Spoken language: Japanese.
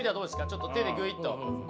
ちょっと手でグイっと。